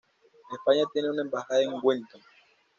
España tienen una embajada en Wellington.